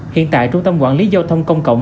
hiện tại trung tâm quản lý dâu thông công